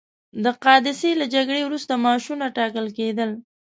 د قادسیې له جګړې وروسته معاشونه ټاکل کېدل.